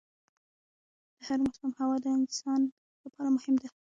د هر موسم هوا د انسان لپاره مهم ده.